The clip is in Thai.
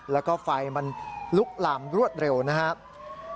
แล้วก็ไฟมันลุกลามรวดเร็วนะครับ